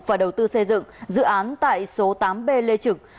và đầu tư xây dựng dự án tại số tám b lê trực